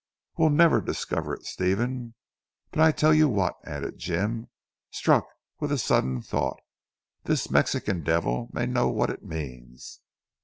We'll never discover it Stephen. But I tell you what," added Jim struck with a sudden thought, "this Mexican devil may know what it means!"